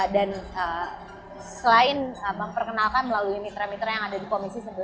dan selain perkenalkan melalui mitra mitra yang ada di komisi sebelas